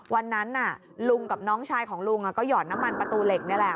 วันนั้นลุงกับน้องชายของลุงก็หยอดน้ำมันประตูเหล็กนี่แหละ